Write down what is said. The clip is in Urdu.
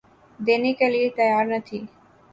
دینے کے لئے تیّار نہ تھی۔